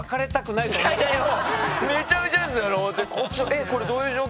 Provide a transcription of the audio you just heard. えっこれどういう状況？って。